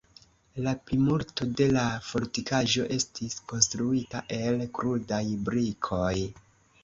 La plimulto de la fortikaĵo estis konstruita el krudaj brikoj.